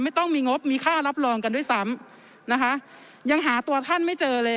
ต้องมีงบมีค่ารับรองกันด้วยซ้ำนะคะยังหาตัวท่านไม่เจอเลย